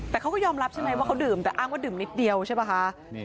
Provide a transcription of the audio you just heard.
แต่เขาก็ยอมรับใช่ไหมว่าเขาดื่มแต่อ้างว่าดื่มนิดเดียวใช่ป่ะคะ